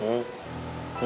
mama jadi galau